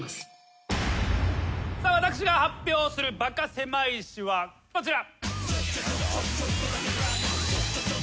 さあ私が発表するバカせまい史はこちら。